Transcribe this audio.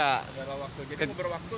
kendala waktu jadi uber waktu